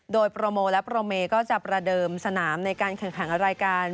โดยโปรโมและโปรเมก็จะประเดิมสนามในการแข่งขันรายการ